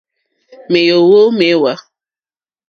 Mèóhwò méhwǎ.